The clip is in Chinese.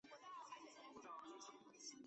不清楚他有没有兄弟姊妹。